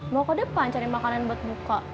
mau ke depan cari makanan buat buka